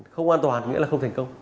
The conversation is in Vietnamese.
không an toàn nghĩa là không thành công